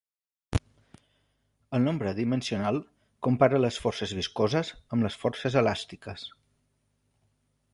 El nombre adimensional compara les forces viscoses amb les forces elàstiques.